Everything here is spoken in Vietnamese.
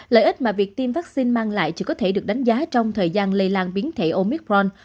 lợi ích mà việc tiêm vaccine mang lại chỉ có thể được đánh giá trong thời gian lây lan biến thể omicron